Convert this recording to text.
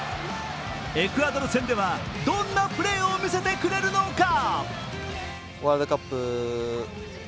エクアドル戦では、どんなプレーを見せてくれるのか。